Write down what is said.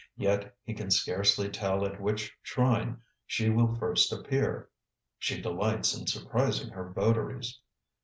Yet he can scarcely tell at which shrine she will first appear. She delights in surprising her votaries.